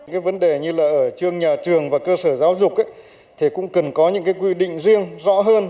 cái vấn đề như là ở trường nhà trường và cơ sở giáo dục thì cũng cần có những cái quy định riêng rõ hơn